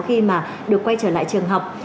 khi mà được quay trở lại trường học